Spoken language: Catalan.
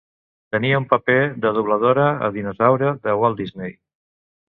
Tenia un paper de dobladora a "Dinosaure" de Walt Disney.